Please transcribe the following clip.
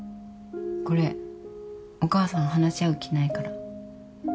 これお母さん話し合う気ないから。